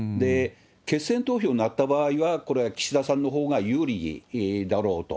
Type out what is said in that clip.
決選投票になった場合は、これは岸田さんのほうが有利だろうと。